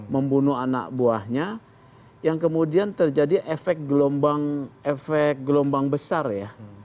membunuh anak buahnya yang kemudian terjadi efek gelombang besar ya